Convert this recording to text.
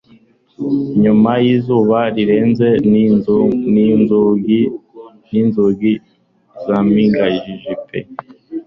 Nyuma y'izuba rirenze n'inzugi n'inzugi zaminjagiye pe